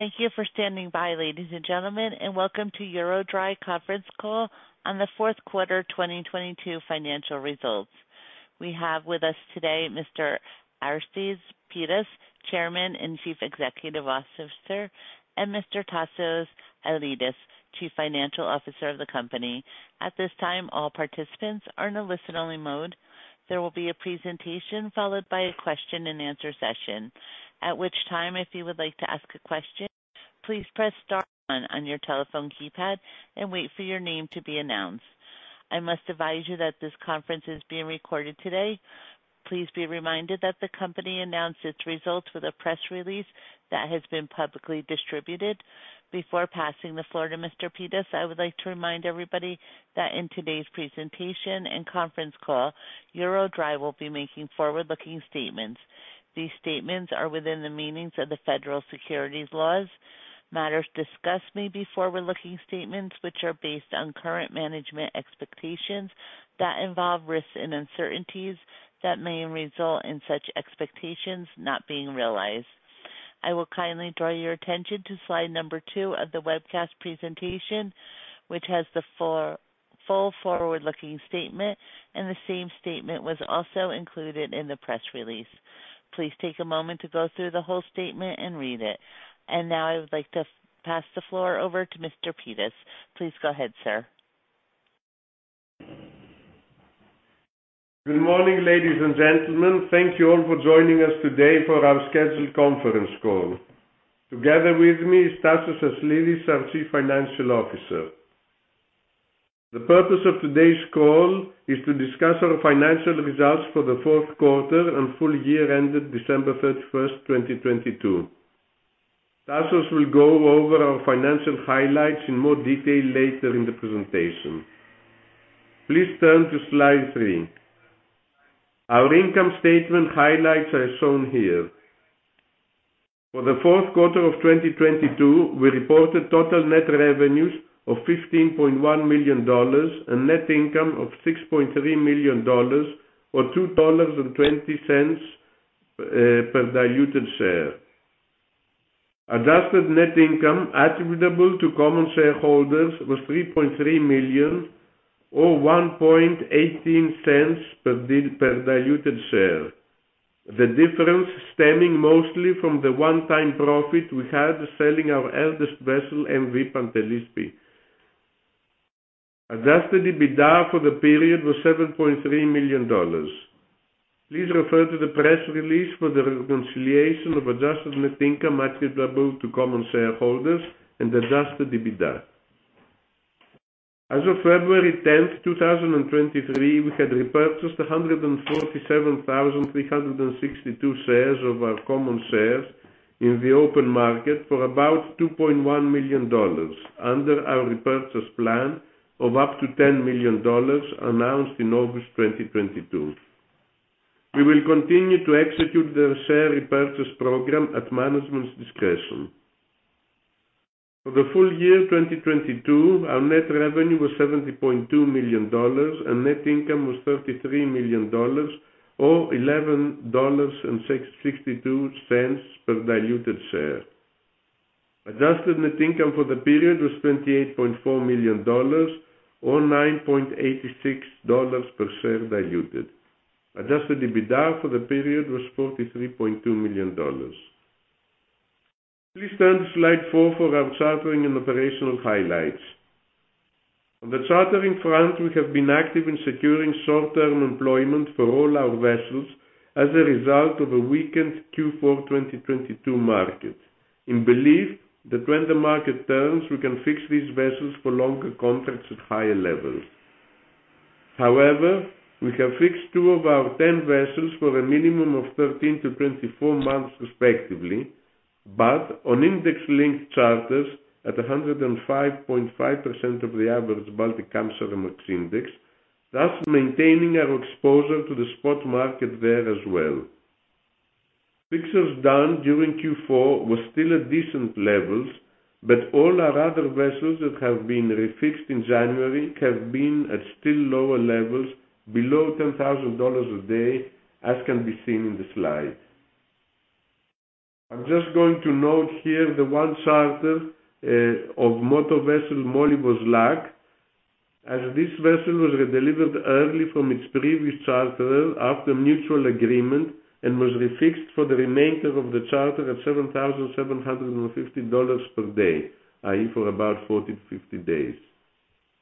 Thank you for standing by, ladies and gentlemen, welcome to EuroDry conference call on the fourth quarter 2022 financial results. We have with us today Mr. Aristides Pittas, Chairman and Chief Executive Officer, and Mr. Tasos Aslidis, Chief Financial Officer of the company. At this time, all participants are in a listen-only mode. There will be a presentation followed by a question-and-answer session, at which time, if you would like to ask a question, please press star one on your telephone keypad and wait for your name to be announced. I must advise you that this conference is being recorded today. Please be reminded that the company announced its results with a press release that has been publicly distributed. Before passing the floor to Mr. Pittas, I would like to remind everybody that in today's presentation and conference call, EuroDry will be making forward-looking statements. These statements are within the meanings of the federal securities laws. Matters discussed may be forward-looking statements, which are based on current management expectations that involve risks and uncertainties that may result in such expectations not being realized. I will kindly draw your attention to slide number 2 of the webcast presentation, which has the full forward-looking statement, and the same statement was also included in the press release. Please take a moment to go through the whole statement and read it. Now, I would like to pass the floor over to Mr. Pittas. Please go ahead, sir. Good morning, ladies and gentlemen. Thank you all for joining us today for our scheduled conference call. Together with me is Tasos Aslidis, our Chief Financial Officer. The purpose of today's call is to discuss our financial results for the fourth quarter and full year ended December 31st, 2022. Tasos will go over our financial highlights in more detail later in the presentation. Please turn to slide 3. Our income statement highlights are shown here. For the fourth quarter of 2022, we reported total net revenues of $15.1 million and net income of $6.3 million, or $2.20 per diluted share. Adjusted net income attributable to common shareholders was $3.3 million or $0.0118 per diluted share. The difference stemming mostly from the one-time profit we had selling our eldest vessel, M/V Pantelis P. Adjusted EBITDA for the period was $7.3 million. Please refer to the press release for the reconciliation of adjusted net income attributable to common shareholders and adjusted EBITDA. As of February 10, 2023, we had repurchased 147,362 shares of our common shares in the open market for about $2.1 million under our repurchase plan of up to $10 million announced in August 2022. We will continue to execute the share repurchase program at management's discretion. For the full year 2022, our net revenue was $70.2 million, and net income was $33 million, or $11.62 per diluted share. Adjusted net income for the period was $28.4 million or $9.86 per share diluted. Adjusted EBITDA for the period was $43.2 million. Please turn to slide 4 for our chartering and operational highlights. On the chartering front, we have been active in securing short-term employment for all our vessels as a result of a weakened Q4 2022 market, in belief that when the market turns, we can fix these vessels for longer contracts at higher levels. However, we have fixed two of our 10 vessels for a minimum of 13-24 months, respectively, but on index-linked charters at 105.5% of the average Baltic Kamsarmax P5TC Index, thus maintaining our exposure to the spot market there as well. Fixes done during Q4 was still at decent levels, but all our other vessels that have been refixed in January have been at still lower levels below $10,000 a day, as can be seen in the slide. I'm just going to note here the one charter of motor vessel Molyvos Luck, as this vessel was redelivered early from its previous charter after mutual agreement, and was refixed for the remainder of the charter at $7,750 per day, i.e., for about 40 to 50 days.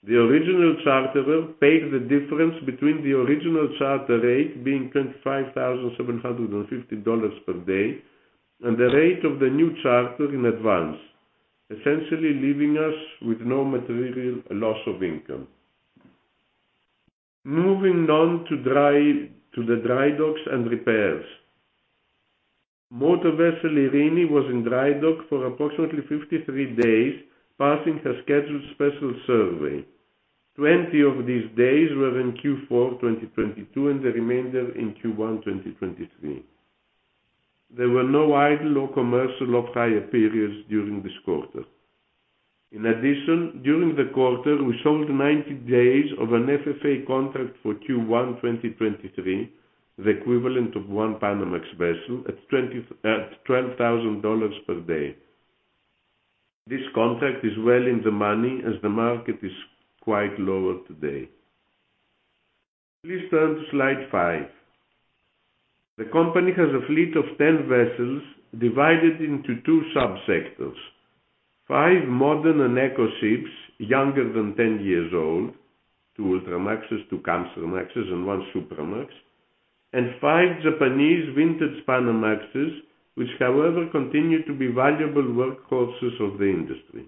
The original charterer paid the difference between the original charter rate being $25,750 per day and the rate of the new charter in advance, essentially leaving us with no material loss of income. Moving on to the dry docks and repairs. Motor vessel Eirini was in dry dock for approximately 53 days, passing her scheduled special survey. 20 of these days were in Q4 2022, and the remainder in Q1 2023. There were no idle or commercial off-hire periods during this quarter. In addition, during the quarter, we sold 90 days of an FFA contract for Q1 2023, the equivalent of one Panamax vessel at $12,000 per day. This contract is well in the money as the market is quite lower today. Please turn to slide 5. The company has a fleet of 10 vessels divided into two sub-sectors. Five modern and eco ships younger than 10 years old, two Ultramaxes, two Kamsarmaxes, and one Supramax, and five Japanese vintage Panamaxes, which, however, continue to be valuable workhorses of the industry.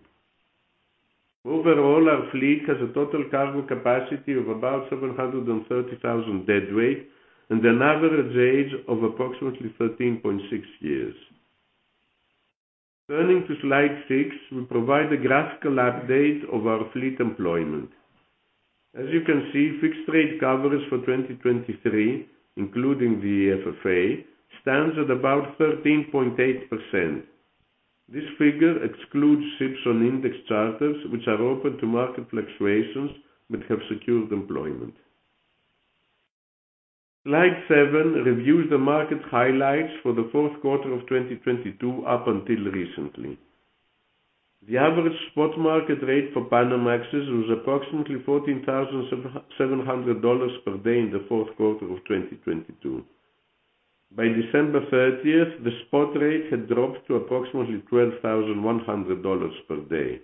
Overall, our fleet has a total cargo capacity of about 730,000 deadweight and an average age of approximately 13.6 years. Turning to slide 6, we provide a graphical update of our fleet employment. You can see, fixed rate covers for 2023, including the FFA, stands at about 13.8%. This figure excludes ships on index charters which are open to market fluctuations but have secured employment. Slide 7 reviews the market highlights for the fourth quarter of 2022 up until recently. The average spot market rate for Panamaxes was approximately $14,700 per day in the fourth quarter of 2022. By December 30th, the spot rate had dropped to approximately $12,100 per day.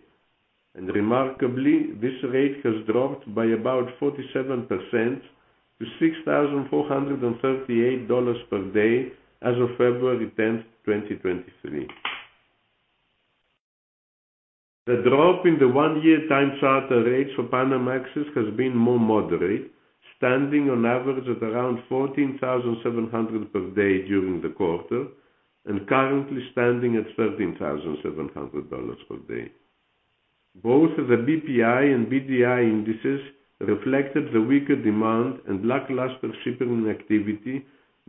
Remarkably, this rate has dropped by about 47% to $6,438 per day as of February 10, 2023. The drop in the one-year time charter rates for Panamaxes has been more moderate, standing on average at around $14,700 per day during the quarter and currently standing at $13,700 per day. Both the BPI and BDI indices reflected the weaker demand and lackluster shipping activity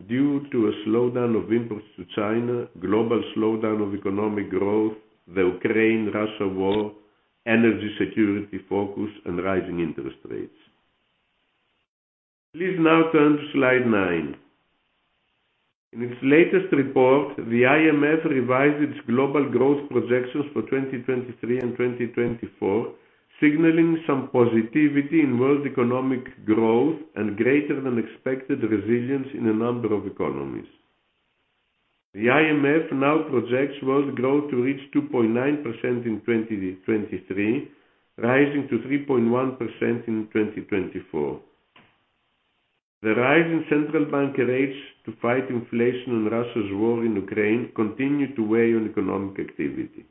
due to a slowdown of imports to China, global slowdown of economic growth, the Ukraine-Russia war, energy security focus, and rising interest rates. Please now turn to slide 9. In its latest report, the IMF revised its global growth projections for 2023 and 2024, signaling some positivity in world economic growth and greater than expected resilience in a number of economies. The IMF now projects world growth to reach 2.9% in 2023, rising to 3.1% in 2024. The rise in central bank rates to fight inflation and Russia's war in Ukraine continue to weigh on economic activity.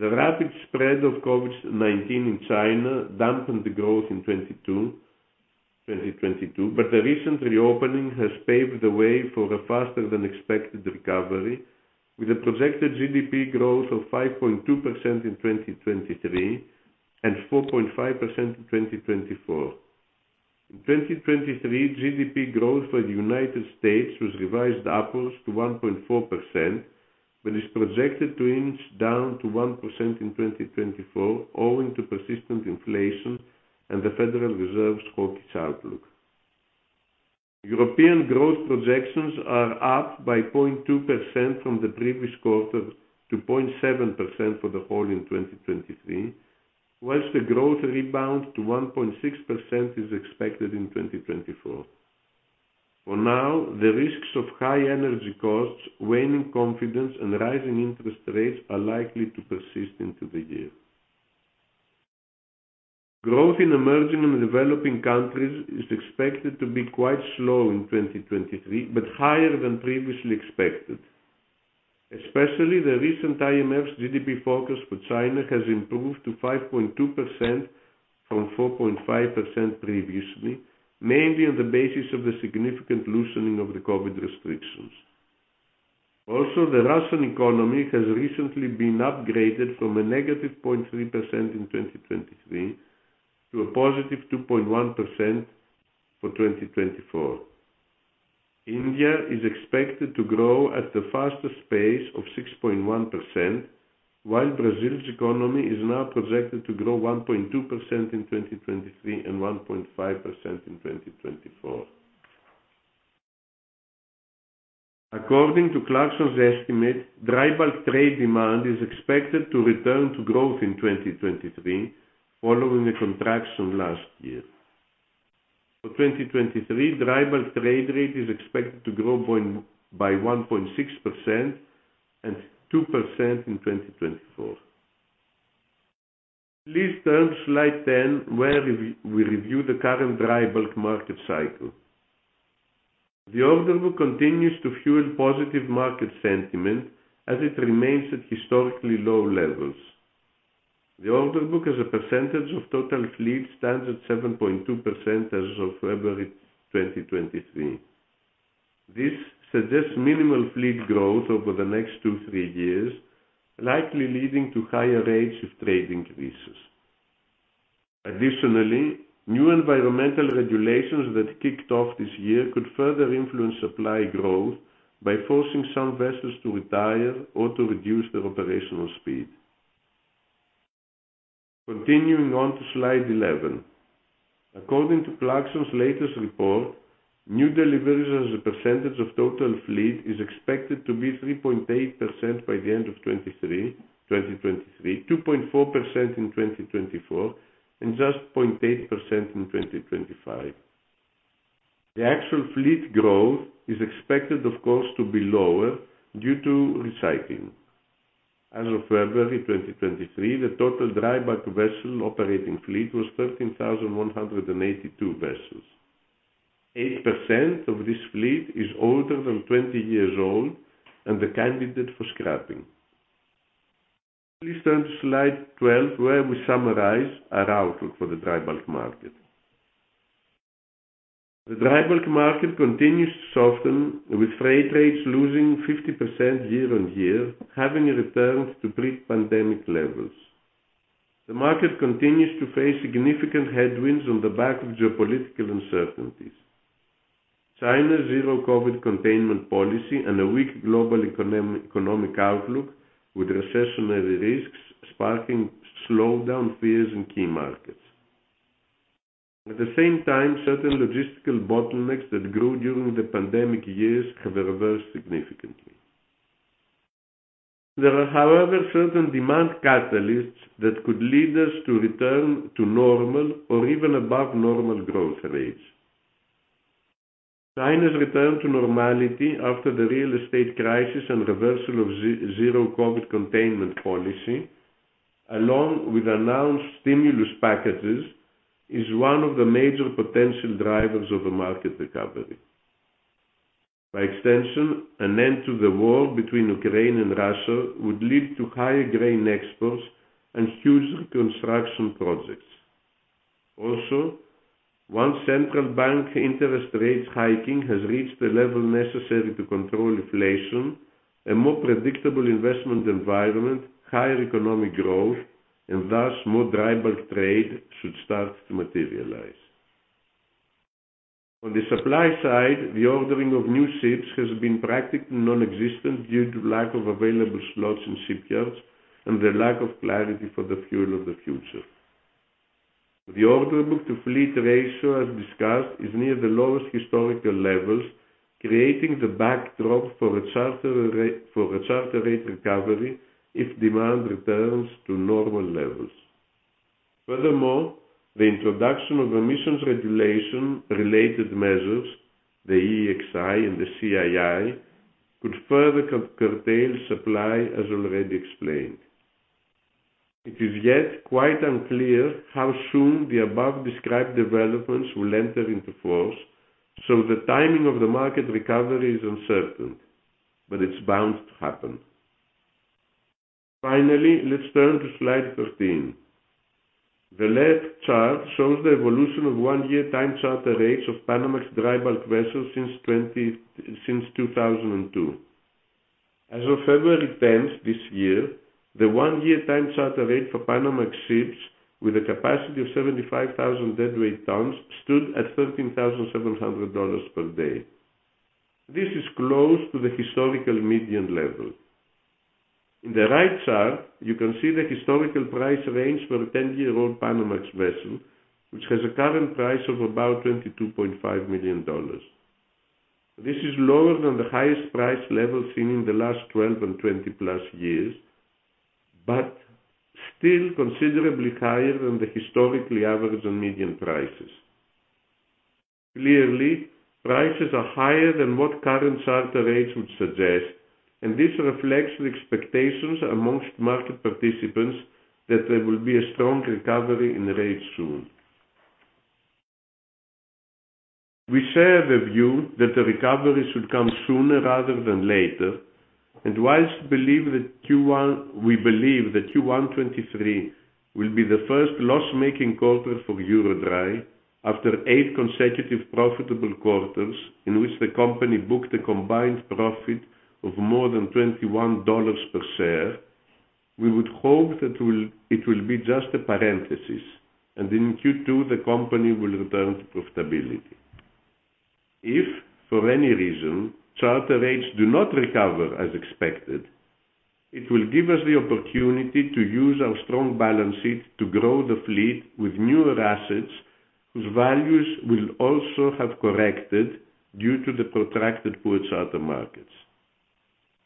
The rapid spread of COVID-19 in China dampened the growth in 2022, but the recent reopening has paved the way for a faster than expected recovery, with a projected GDP growth of 5.2% in 2023 and 4.5% in 2024. In 2023, GDP growth for the United States was revised upwards to 1.4%, but is projected to inch down to 1% in 2024, owing to persistent inflation and the Federal Reserve's hawkish outlook. European growth projections are up by 0.2% from the previous quarter to 0.7% for the whole in 2023, whilst a growth rebound to 1.6% is expected in 2024. For now, the risks of high energy costs, waning confidence, and rising interest rates are likely to persist into the year. Growth in emerging and developing countries is expected to be quite slow in 2023, but higher than previously expected. Especially the recent IMF's GDP focus for China has improved to 5.2% from 4.5% previously, mainly on the basis of the significant loosening of the COVID restrictions. Also, the Russian economy has recently been upgraded from a -0.3% in 2023 to a +2.1% for 2024. India is expected to grow at the fastest pace of 6.1%, while Brazil's economy is now projected to grow 1.2% in 2023 and 1.5% in 2024. According to Clarksons' estimate, dry bulk trade demand is expected to return to growth in 2023, following a contraction last year. For 2023, dry bulk trade rate is expected to grow by 1.6% and 2% in 2024. Please turn to slide 10, where we review the current dry bulk market cycle. The order book continues to fuel positive market sentiment as it remains at historically low levels. The order book as a percentage of total fleet stands at 7.2% as of February 2023. This suggests minimal fleet growth over the next two, three years, likely leading to higher rates if trade increases. Additionally, new environmental regulations that kicked off this year could further influence supply growth by forcing some vessels to retire or to reduce their operational speed. Continuing on to slide 11. According to Clarksons' latest report, new deliveries as a percentage of total fleet is expected to be 3.8% by the end of 2023, 2.4% in 2024, and just 0.8% in 2025. The actual fleet growth is expected, of course, to be lower due to recycling. As of February 2023, the total dry bulk vessel operating fleet was 13,182 vessels. 8% of this fleet is older than 20 years old and a candidate for scrapping. Please turn to slide 12 where we summarize our outlook for the dry bulk market. The dry bulk market continues to soften, with freight rates losing 50% year-on-year, having returned to pre-pandemic levels. The market continues to face significant headwinds on the back of geopolitical uncertainties, China's zero-COVID containment policy, and a weak global economic outlook, with recessionary risks sparking slowdown fears in key markets. At the same time, certain logistical bottlenecks that grew during the pandemic years have reversed significantly. There are, however, certain demand catalysts that could lead us to return to normal or even above normal growth rates. China's return to normality after the real estate crisis and reversal of zero-COVID containment policy, along with announced stimulus packages, is one of the major potential drivers of a market recovery. An end to the war between Ukraine and Russia would lead to higher grain exports and huge reconstruction projects. Once Central Bank interest rates hiking has reached the level necessary to control inflation, a more predictable investment environment, higher economic growth, and, thus, more dry bulk trade should start to materialize. On the supply side, the ordering of new ships has been practically nonexistent due to lack of available slots in shipyards and the lack of clarity for the fuel of the future. The orderbook-to-fleet ratio, as discussed, is near the lowest historical levels, creating the backdrop for a charter rate recovery if demand returns to normal levels. The introduction of emissions regulation related measures, the EEXI and the CII, could further curtail supply, as already explained. It is yet quite unclear how soon the above described developments will enter into force, the timing of the market recovery is uncertain, but it's bound to happen. Let's turn to slide 13. The left chart shows the evolution of one-year time charter rates of Panamax dry bulk vessels since 2002. As of February 10 this year, the one-year time charter rate for Panamax ships with a capacity of 75,000 deadweight tons stood at $13,700 per day. This is close to the historical median level. In the right chart, you can see the historical price range for a 10-year-old Panamax vessel, which has a current price of about $22.5 million. This is lower than the highest price level seen in the last 12 and 20+ years, but still considerably higher than the historically average and median prices. Clearly, prices are higher than what current charter rates would suggest. This reflects the expectations amongst market participants that there will be a strong recovery in rates soon. We share the view that the recovery should come sooner rather than later. Whilst believe that, we believe that Q1 2023 will be the first loss-making quarter for EuroDry after eight consecutive profitable quarters, in which the company booked a combined profit of more than $21 per share, we would hope it will be just a parenthesis. In Q2 the company will return to profitability. If, for any reason, charter rates do not recover as expected, it will give us the opportunity to use our strong balance sheet to grow the fleet with newer assets whose values will also have corrected due to the protracted poor charter markets.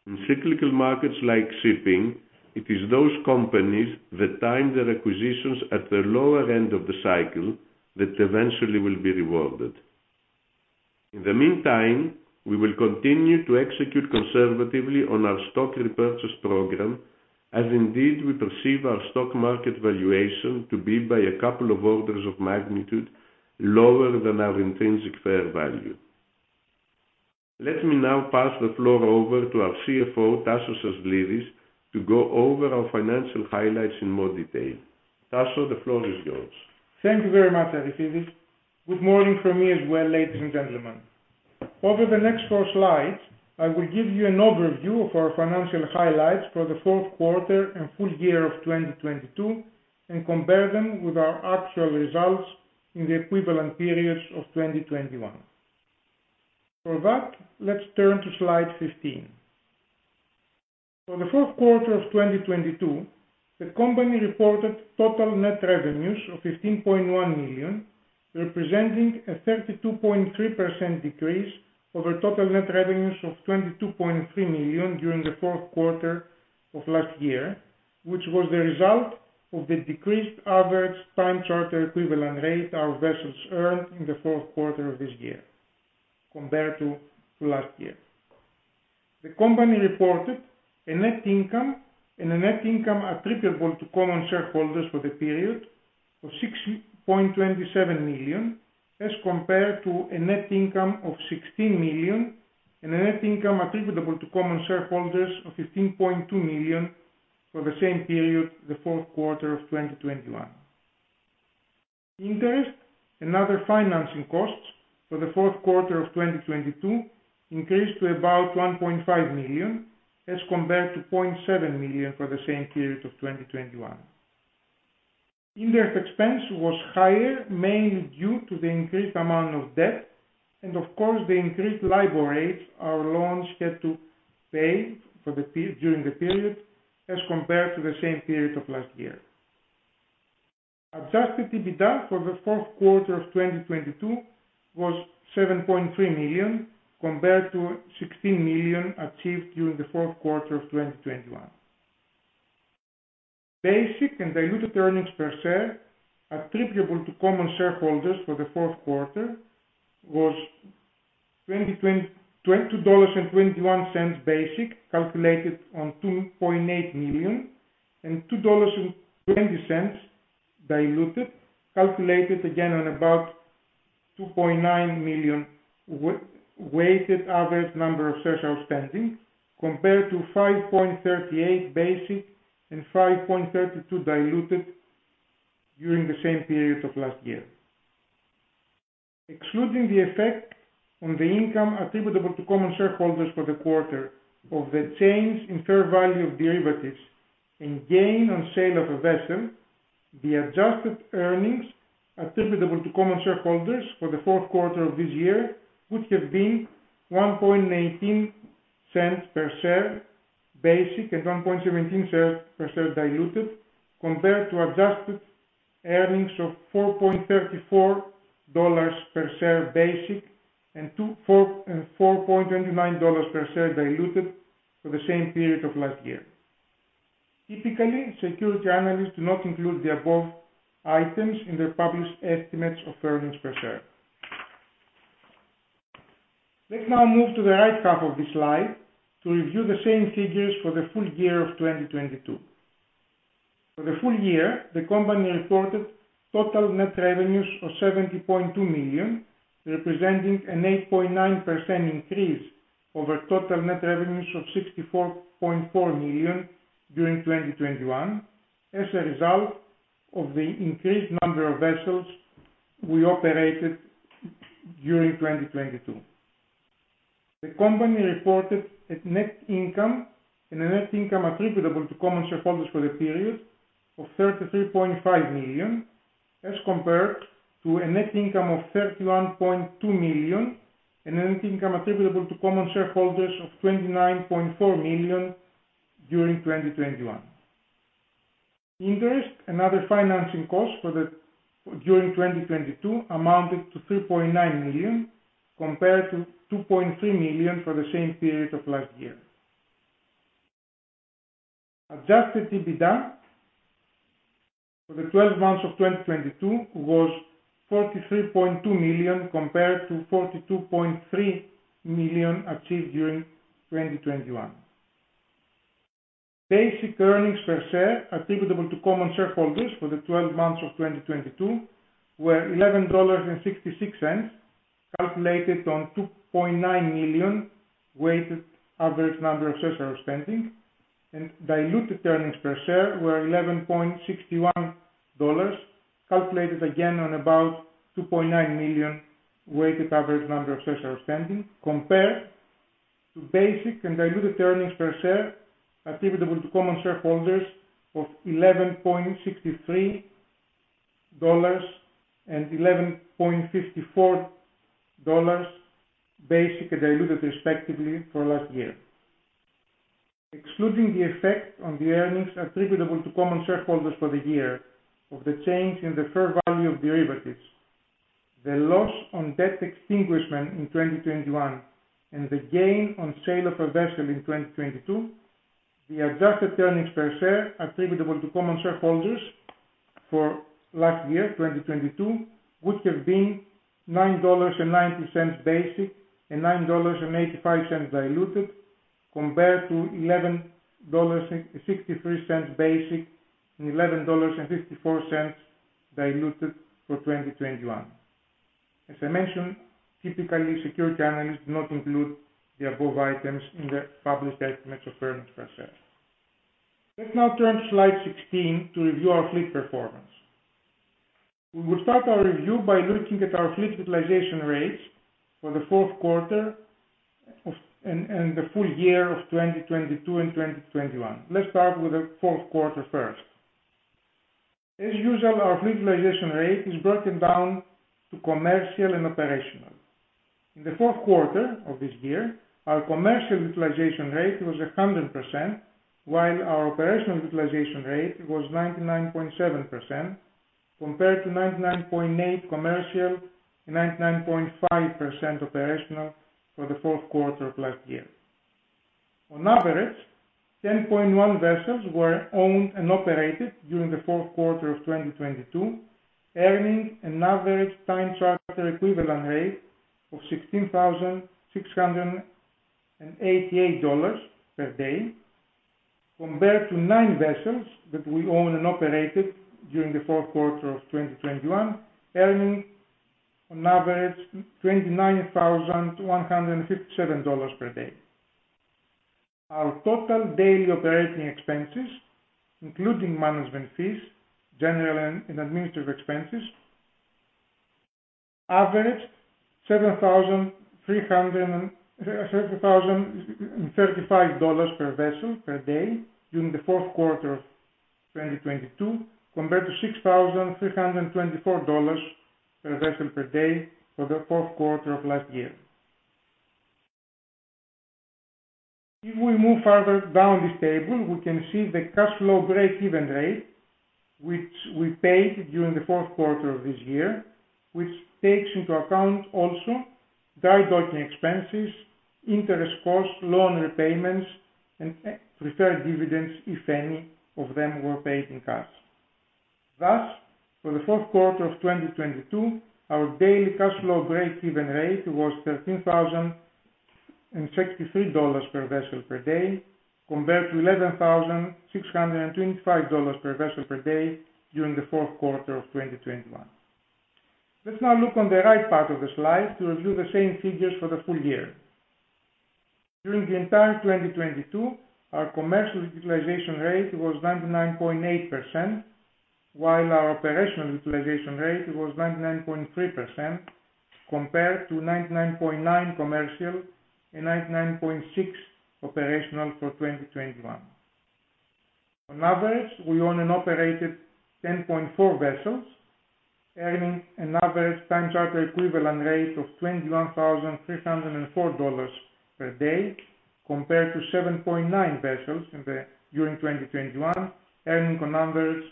In cyclical markets like shipping, it is those companies that time their acquisitions at the lower end of the cycle that eventually will be rewarded. In the meantime, we will continue to execute conservatively on our stock repurchase program, as indeed we perceive our stock market valuation to be by a couple of orders of magnitude lower than our intrinsic fair value. Let me now pass the floor over to our CFO, Tasos Aslidis, to go over our financial highlights in more detail. Tasos, the floor is yours. Thank you very much, Aristides. Good morning from me as well, ladies and gentlemen. Over the next four slides, I will give you an overview of our financial highlights for the fourth quarter and full year of 2022, and compare them with our actual results in the equivalent periods of 2021. For that, let's turn to slide 15. For the fourth quarter of 2022, the company reported total net revenues of $15.1 million, representing a 32.3% decrease over total net revenues of $22.3 million during the fourth quarter of last year, which was the result of the decreased average time charter equivalent rate our vessels earned in the fourth quarter of this year compared to last year. The company reported a net income and a net income attributable to common shareholders for the period of $6.27 million, as compared to a net income of $16 million and a net income attributable to common shareholders of $15.2 million for the same period, the fourth quarter of 2021. Interest and other financing costs for the fourth quarter of 2022 increased to about $1.5 million, as compared to $0.7 million for the same period of 2021. Interest expense was higher, mainly due to the increased amount of debt and, of course, the increased LIBOR rate our loans had to pay during the period as compared to the same period of last year. Adjusted EBITDA for the fourth quarter of 2022 was $7.3 million, compared to $16 million achieved during the fourth quarter of 2021. Basic and diluted earnings per share attributable to common shareholders for the fourth quarter was two dollars and $2.21 basic, calculated on 2.8 million and $2.20 diluted, calculated again on about 2.9 million weighted average number of shares outstanding compared to $5.38 basic and $5.32 diluted during the same period of last year. Excluding the effect on the income attributable to common shareholders for the quarter of the change in fair value of derivatives and gain on sale of a vessel, the adjusted earnings attributable to common shareholders for the fourth quarter of this year would have been $0.0118 per share basic and $0.0117 per share diluted, compared to adjusted earnings of $4.34 per share basic and four, and $4.29 per share diluted for the same period of last year. Typically, security analysts do not include the above items in their published estimates of earnings per share. Let's now move to the right half of this slide to review the same figures for the full year of 2022. For the full year, the company reported total net revenues of $70.2 million, representing an 8.9% increase over total net revenues of $64.4 million during 2021 as a result of the increased number of vessels we operated during 2022. The company reported a net income and a net income attributable to common shareholders for the period of $33.5 million, as compared to a net income of $31.2 million and a net income attributable to common shareholders of $29.4 million during 2021. Interest and other financing costs during 2022 amounted to $3.9 million, compared to $2.3 million for the same period of last year. Adjusted EBITDA for the 12 months of 2022 was $43.2 million, compared to $42.3 million achieved during 2021. Basic earnings per share attributable to common shareholders for the 12 months of 2022 were $11.66, calculated on 2.9 million weighted average number of shares outstanding and diluted earnings per share were $11.61, calculated again on about 2.9 million weighted average number of shares outstanding compared to basic and diluted earnings per share attributable to common shareholders of $11.63 and $11.54 basic and diluted, respectively, for last year. Excluding the effect on the earnings attributable to common shareholders for the year of the change in the fair value of derivatives, the loss on debt extinguishment in 2021, and the gain on sale of a vessel in 2022, the adjusted earnings per share attributable to common shareholders for last year, 2022, would have been $9.90 basic and $9.85 diluted compared to $11.63 basic and $11.54 diluted for 2021. As I mentioned, typically, security analysts do not include the above items in their published estimates of earnings per share. Let's now turn to slide 16 to review our fleet performance. We will start our review by looking at our fleet utilization rates for the fourth quarter of and the full year of 2022 and 2021. Let's start with the fourth quarter first. As usual, our fleet utilization rate is broken down to commercial and operational. In the fourth quarter of this year, our commercial utilization rate was 100%, while our operational utilization rate was 99.7% compared to 99.8% commercial and 99.5% operational for the fourth quarter of last year. On average, 10.1 vessels were owned and operated during the fourth quarter of 2022, earning an average time charter equivalent rate of $16,688 per day, compared to nine vessels that we owned and operated during the fourth quarter of 2021, earning on average $29,157 per day. Our total daily operating expenses, including management fees, general and administrative expenses averaged $7,300 and... $7,035 per vessel per day during the fourth quarter of 2022 compared to $6,324 per vessel per day for the fourth quarter of last year. If we move further down this table, we can see the cash flow breakeven rate, which we paid during the fourth quarter of this year, which takes into account also dry docking expenses, interest costs, loan repayments, and preferred dividends, if any of them were paid in cash. Thus, for the fourth quarter of 2022, our daily cash flow breakeven rate was $13,063 per vessel per day compared to $11,625 per vessel per day during the fourth quarter of 2021. Let's now look on the right part of the slide to review the same figures for the full year. During the entire 2022, our commercial utilization rate was 99.8%, while our operational utilization rate was 99.3% compared to 99.9% commercial and 99.6% operational for 2021. On average, we owned and operated 10.4 vessels, earning an average time charter equivalent rate of $21,304 per day compared to 7.9 vessels during 2021, earning on average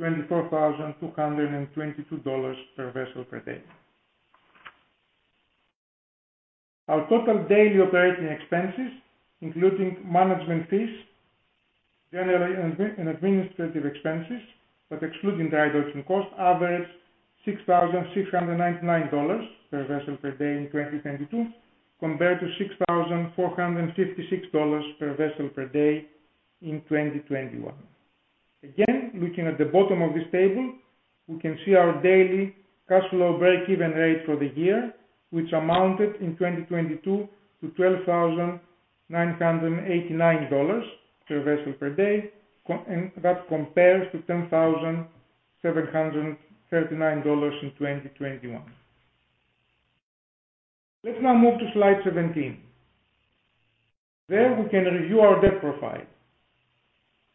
$24,222 per vessel per day. Our total daily operating expenses, including management fees, general and administrative expenses, but excluding dry docking costs, averaged $6,699 per vessel per day in 2022 compared to $6,456 per vessel per day in 2021. Again, looking at the bottom of this table, we can see our daily cash flow breakeven rate for the year, which amounted in 2022 to $12,989 per vessel per day. That compares to $10,739 in 2021. Let's now move to slide 17. There we can review our debt profile.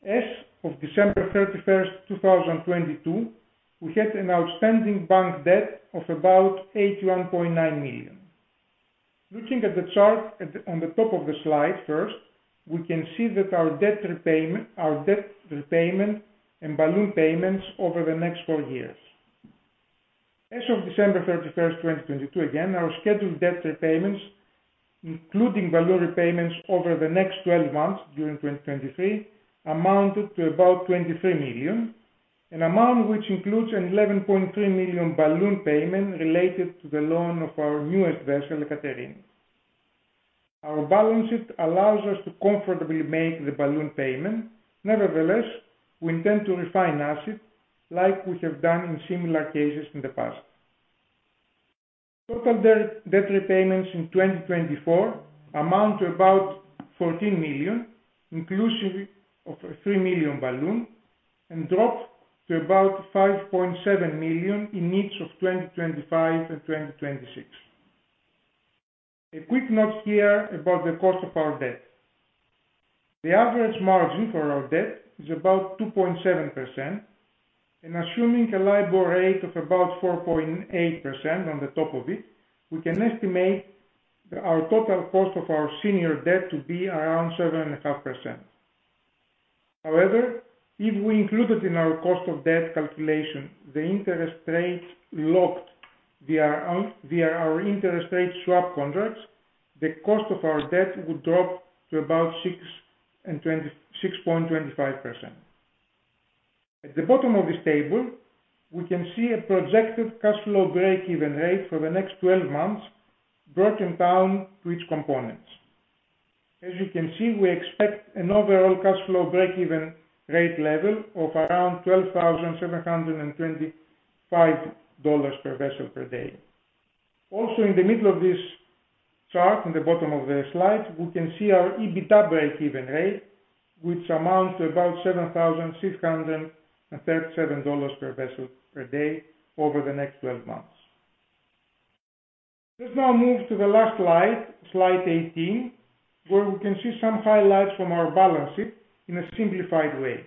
As of December 31st, 2022, we had an outstanding bank debt of about $81.9 million. Looking at the chart on the top of the slide first, we can see that our debt repayment and balloon payments over the next four years. As of December 31, 2022, again, our scheduled debt repayments, including balloon repayments over the next 12 months during 2023, amounted to about $23 million, an amount which includes an $11.3 million balloon payment related to the loan of our newest vessel, Ekaterini. Our balance sheet allows us to comfortably make the balloon payment. Nevertheless, we intend to refine assets like we have done in similar cases in the past. Total debt repayments in 2024 amount to about $14 million, inclusive of a $3 million balloon, and drop to about $5.7 million in each of 2025 and 2026. A quick note here about the cost of our debt. The average margin for our debt is about 2.7%. Assuming a LIBOR rate of about 4.8% on the top of it, we can estimate our total cost of our senior debt to be around 7.5%. However, if we included in our cost of debt calculation the interest rate locked via our interest rate swap contracts, the cost of our debt would drop to about 6.25%. At the bottom of this table, we can see a projected cash flow breakeven rate for the next 12 months broken down to each components. As you can see, we expect an overall cash flow breakeven rate level of around $12,725 per vessel per day. In the middle of this chart, in the bottom of the slide, we can see our EBITDA breakeven rate, which amounts to about $7,637 per vessel per day over the next 12 months. Let's now move to the last slide 18, where we can see some highlights from our balance sheet in a simplified way.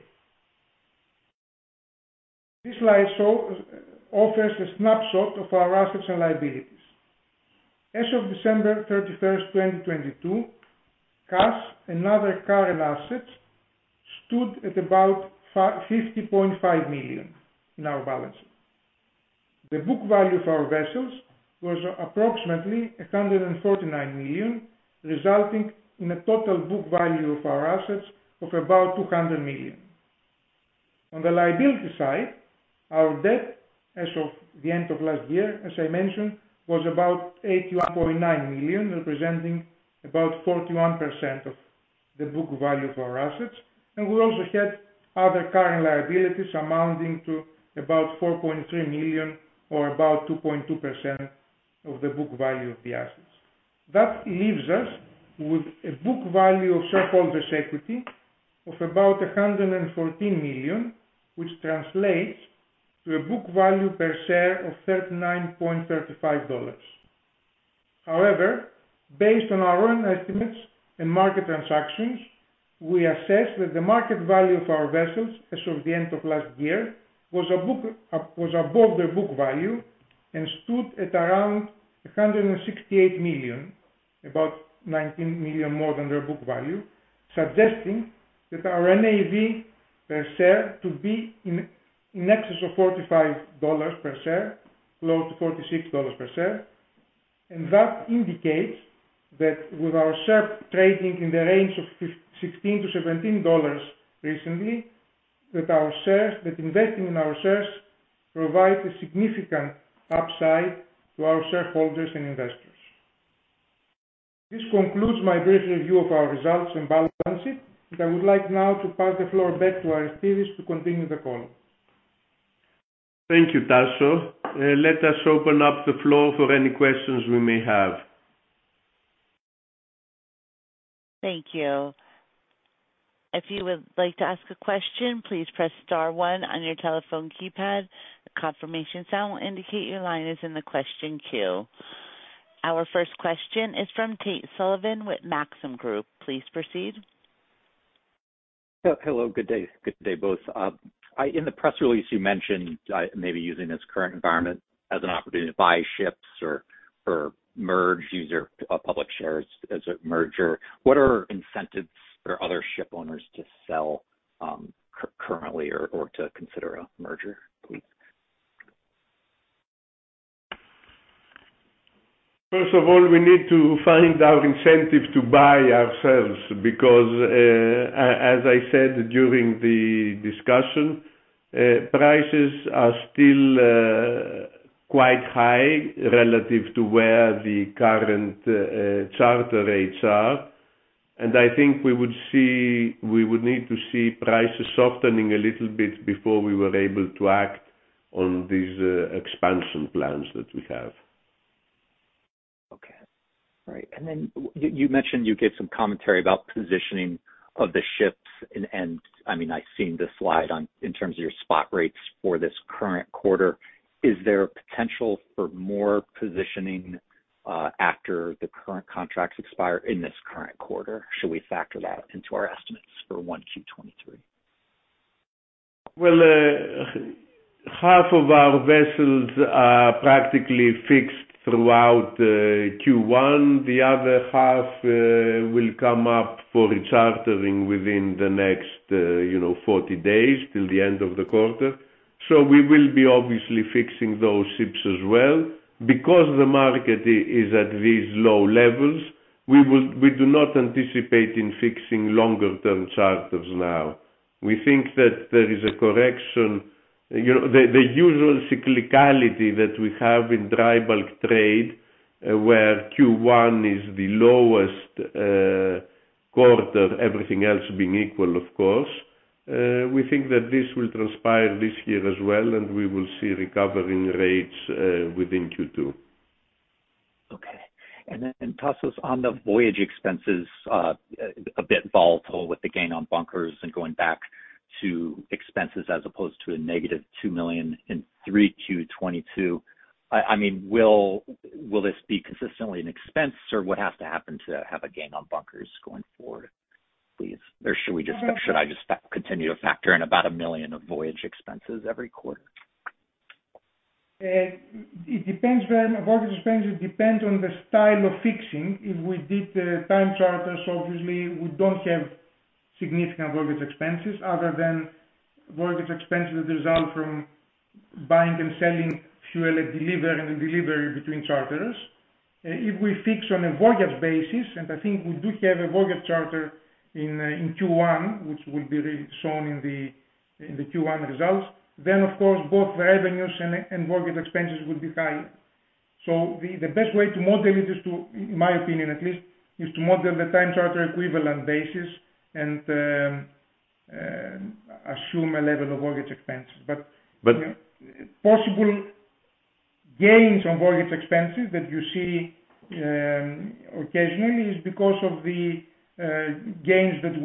This slide show offers a snapshot of our assets and liabilities. As of December 31, 2022, cash and other current assets stood at about $50.5 million in our balance sheet. The book value of our vessels was approximately $149 million, resulting in a total book value of our assets of about $200 million. On the liability side, our debt as of the end of last year, as I mentioned, was about $81.9 million, representing about 41% of the book value of our assets. We also had other current liabilities amounting to about $4.3 million or about 2.2% of the book value of the assets. That leaves us with a book value of shareholders equity of about $114 million, which translates to a book value per share of $39.35. However, based on our own estimates and market transactions, we assess that the market value of our vessels as of the end of last year was above their book value and stood at around $168 million, about $19 million more than their book value, suggesting that our NAV per share to be in excess of $45 per share, close to $46 per share. That indicates that with our share trading in the range of $16-$17 recently, that investing in our shares provide a significant upside to our shareholders and investors. This concludes my brief review of our results and balance sheet. I would like now to pass the floor back to Aristides to continue the call. Thank you, Tasos. Let us open up the floor for any questions we may have. Thank you. If you would like to ask a question, please press star one on your telephone keypad. A confirmation sound will indicate your line is in the question queue. Our first question is from Tate Sullivan with Maxim Group. Please proceed. Hello. Good day. Good day, both. In the press release you mentioned, maybe using this current environment as an opportunity to buy ships or merge user public shares as a merger, what are incentives for other shipowners to sell, currently or to consider a merger, please? First of all, we need to find our incentive to buy ourselves because, as I said during the discussion, prices are still quite high relative to where the current charter rates are. I think we would need to see prices softening a little bit before we were able to act on these expansion plans that we have. Okay. All right. Then you mentioned you gave some commentary about positioning of the ships. I mean, I've seen the slide on, in terms of your spot rates for this current quarter. Is there a potential for more positioning after the current contracts expire in this current quarter? Should we factor that into our estimates for 1Q 2023? Well, 1/2 of our vessels are practically fixed throughout Q1. The other 1/2 will come up for chartering within the next, you know, 40 days till the end of the quarter. We will be obviously fixing those ships as well. Because the market is at these low levels, we do not anticipate in fixing longer term charters now. We think that there is a correction, you know, the usual cyclicality that we have in dry bulk trade, where Q1 is the lowest quarter, everything else being equal, of course. We think that this will transpire this year as well, and we will see recovering rates within Q2. Okay. Then, Tasos, on the voyage expenses, a bit volatile with the gain on bunkers and going back to expenses as opposed to a -$2 million in 3Q 2022. I mean, will this be consistently an expense or what has to happen to have a gain on bunkers going forward, please? Should we just- Um- Should I just continue to factor in about $1 million of voyage expenses every quarter? It depends when. Voyage expenses depends on the style of fixing. If we did the time charters, obviously we don't have significant voyage expenses other than voyage expenses that result from buying and selling fuel at delivery and delivery between charters. If we fix on a voyage basis, and I think we do have a voyage charter in Q1, which will be re-shown in the Q1 results, then of course both the revenues and voyage expenses would be high. The best way to model it is, in my opinion at least, to model the time charter equivalent basis and assume a level of voyage expenses. But- Possible gains on voyage expenses that you see, occasionally is because of the gains that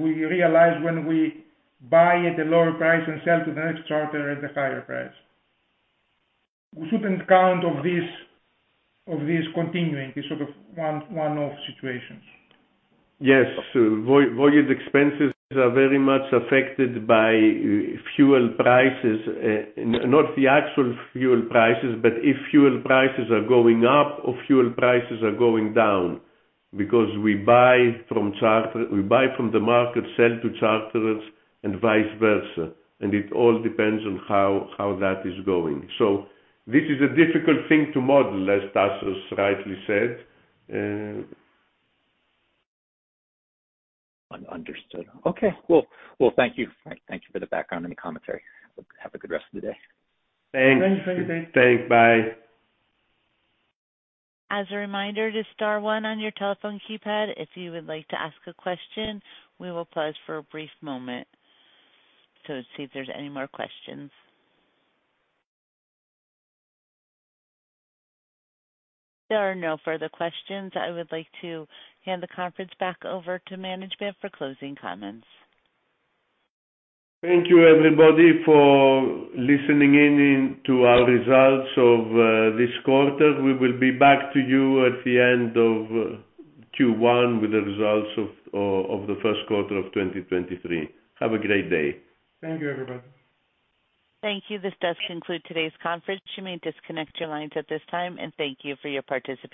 we realize when we buy at a lower price and sell to the next charter at a higher price. We shouldn't count of this continuing. These sort of one-off situations. Yes. Voyage expenses are very much affected by fuel prices. Not the actual fuel prices, but if fuel prices are going up or fuel prices are going down because we buy from charter, we buy from the market, sell to charters and vice versa. It all depends on how that is going. This is a difficult thing to model, as Tasos rightly said. Understood. Okay. Well, thank you. Thank you for the background and the commentary. Have a good rest of the day. Thanks. Thank you. Thank you. Thanks. Bye. As a reminder to star one on your telephone keypad if you would like to ask a question. We will pause for a brief moment to see if there's any more questions. There are no further questions. I would like to hand the conference back over to management for closing comments. Thank you, everybody, for listening in into our results of this quarter. We will be back to you at the end of Q1 with the results of the first quarter of 2023. Have a great day. Thank you, everybody. Thank you. This does conclude today's conference. You may disconnect your lines at this time. Thank you for your participation.